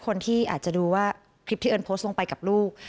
คนที่อาจจะดูว่าคลิปที่เอิญโพสต์ลงไปกับลูก